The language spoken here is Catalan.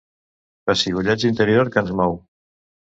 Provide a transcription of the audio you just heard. Pessigolleig interior que ens mou.